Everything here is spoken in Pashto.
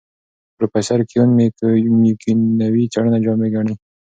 پروفیسر کیون میکونوی څېړنه جامع ګڼي.